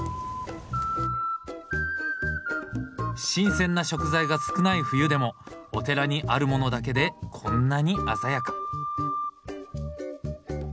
新鮮な食材が少ない冬でもお寺にあるものだけでこんなに鮮やか。